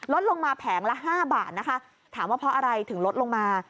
ลงมาแผงละ๕บาทนะคะถามว่าเพราะอะไรถึงลดลงมา